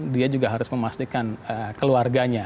dia juga harus memastikan keluarganya